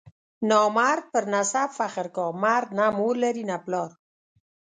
نامرد پر نسب فخر کا، مرد نه مور لري نه پلار.